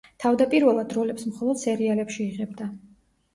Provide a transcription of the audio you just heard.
თავდაპირველად როლებს მხოლოდ სერიალებში იღებდა.